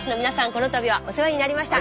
このたびはお世話になりました。